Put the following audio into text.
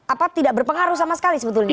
apa tidak berpengaruh sama sekali sebetulnya